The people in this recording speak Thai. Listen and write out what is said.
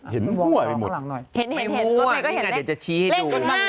เห็นหัวอ่ะเดี๋ยวจะชี้ให้ดู